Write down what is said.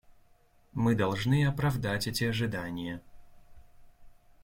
Мы должны оправдать эти ожидания.